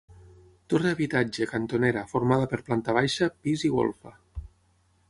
Torre habitatge, cantonera, formada per planta baixa, pis i golfa.